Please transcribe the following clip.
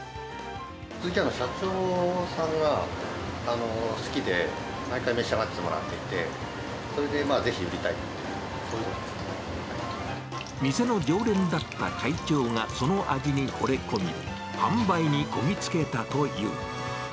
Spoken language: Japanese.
スズキヤの社長さんが好きで、毎回召し上がってもらっていて、それでぜひ売りたいという、店の常連だった会長がその味にほれ込み、販売にこぎ着けたという。